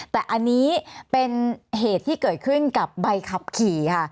แต่อันนี้เป็นเหตุที่เกิดขึ้นกับใบขับขี่ค่ะ